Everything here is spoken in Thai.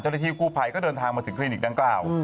ที่กู้ภัยก็เดินทางมาถึงคลินิกดังกล่าว